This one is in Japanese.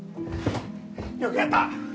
よくやった！